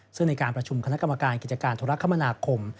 ซึ่งในการประชุมคณะกรรมการกิจการธุรกรรมนาคม